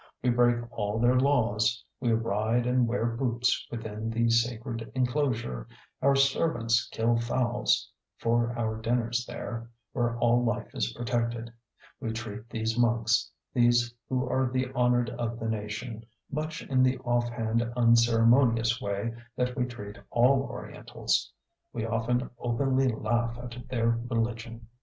We break all their laws: we ride and wear boots within the sacred enclosure; our servants kill fowls for our dinners there, where all life is protected; we treat these monks, these who are the honoured of the nation, much in the offhand, unceremonious way that we treat all Orientals; we often openly laugh at their religion.